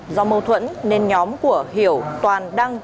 do mâu thuẫn nên nhóm của hiểu toàn đăng